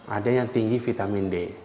ada yang tinggi vitamin d